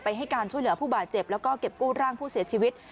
ให้การช่วยเหลือผู้บาดเจ็บแล้วก็เก็บกู้ร่างผู้เสียชีวิต